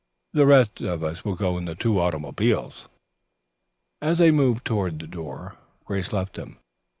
The rest of us will go in the two automobiles." As they moved toward the door, Grace left them.